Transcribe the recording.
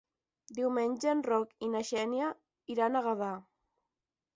Diumenge en Roc i na Xènia iran a Gavà.